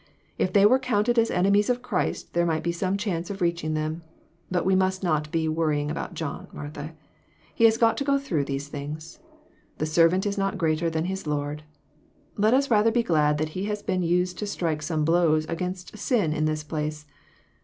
If they were counted as enemies of Christ there might be some chance of reaching them. But we must not be worrying about John, Martha ; he has got to go through these things. 'The servant is not greater than his Lord.' Let us rather be glad that he has been used to strike some blows against sin in this place.